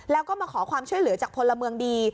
แล้วก็มาขอความช่วยเหลือจากพลเมืองดี